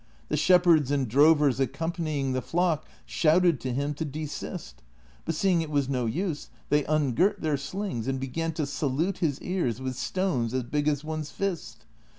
The shep herds and drovers accompanying the flock shouted to him to desist ; but seeing it was no use, they ungirt their slings and began to salute his ears with stones, as big as one's fist.